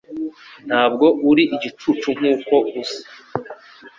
Ntabwo uri igicucu nkuko usa